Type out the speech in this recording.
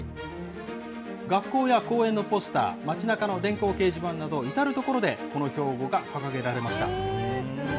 学校や公園のポスター、街なかの電光掲示板など、至る所でこの標語が掲げられました。